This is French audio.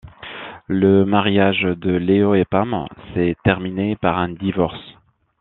Le mariage de Leo et Pam s'est terminé par un divorce.